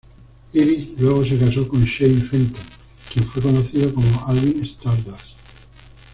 Iris luego se casó con Shane Fenton, quien fue conocido como Alvin Stardust.